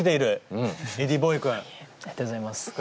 ありがとうございます。